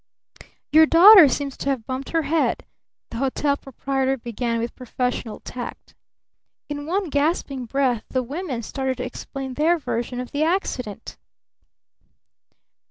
"Your daughter seems to have bumped her head!" the hotel proprietor began with professional tact. In one gasping breath the women started to explain their version of the accident.